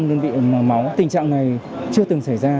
trong đó có khoảng một đơn vị máu tình trạng này chưa từng xảy ra